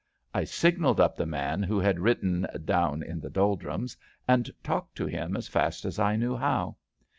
I signalled up the man who had written Down in the Doldrums, and talked to him as fast as I knew how.